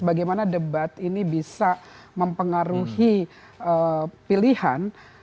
bagaimana debat ini bisa mempengaruhi pilihan